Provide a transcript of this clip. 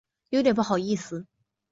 有点不好意思